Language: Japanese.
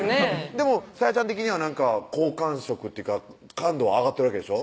でも沙也ちゃん的にはなんか好感触っていうか感度は上がってるわけでしょ？